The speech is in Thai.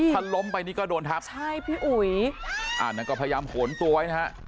ถ้าล้มไปนี่ก็โดนทับใช่พี่อุ๋ยอ่านั่นก็พยายามโหนตัวไว้นะฮะ